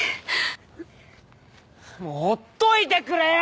もうほっといてくれよ！